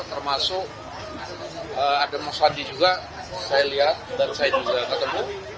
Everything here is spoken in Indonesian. termasuk ada mas sandi juga saya lihat dan saya juga ketemu